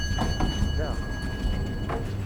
Daɣ.